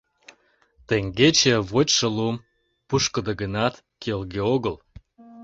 Теҥгече вочшо лум, пушкыдо гынат, келге огыл.